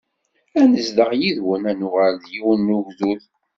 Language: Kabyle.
Ad nezdeɣ yid-wen, ad nuɣal d yiwen n ugdud.